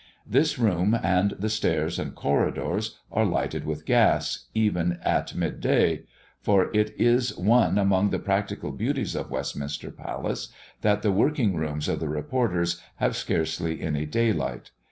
This room, and the stairs and corridors, are lighted with gas, even at mid day; for it is one among the practical beauties of Westminster Palace, that the working rooms of the reporters have scarcely any daylight.